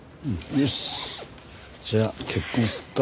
よしじゃあ結婚するか。